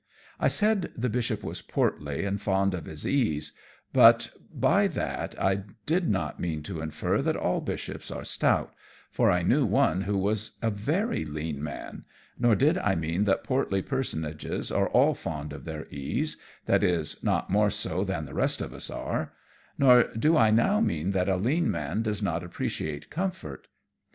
I said the Bishop was portly and fond of his ease, but by that I did not mean to infer that all bishops are stout, for I knew one who was a very lean man; nor did I mean that portly personages are all fond of their ease, that is, not more so than the rest of us are; nor do I now mean that a lean man does not appreciate comfort.